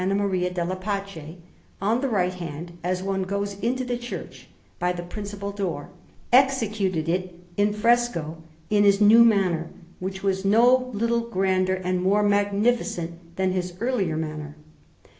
Maria della Pace, on the right hand as one goes into the church by the principal door, executed it in fresco, in his new manner, which was no little grander and more magnificent than his earlier manner.